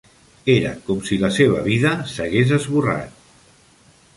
Era com si la seva vida s'hagués esborrat.